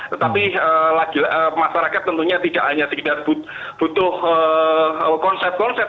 tetapi masyarakat tentunya tidak hanya sekedar butuh konsep konsep